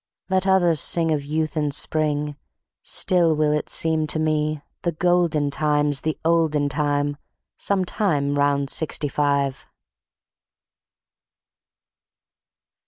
Let others sing of Youth and Spring, still will it seem to me The golden time's the olden time, some time round Sixty five.